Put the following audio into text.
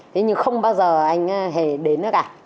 thế nhưng không bao giờ anh hề đến cả